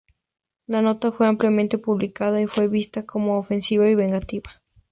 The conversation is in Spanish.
La nota fue ampliamente publicada y fue vista como ofensiva y vengativa.